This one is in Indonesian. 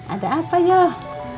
ada apa yoyoh